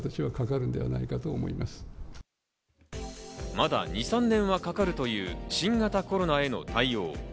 まだ２３年はかかるという新型コロナへの対応。